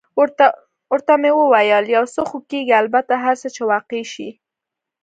ورته مې وویل: یو څه خو کېږي، البته هر څه چې واقع شي.